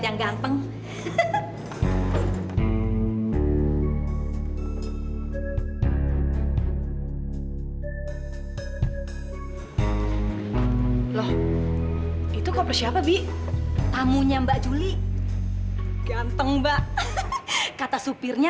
sampai jumpa di video selanjutnya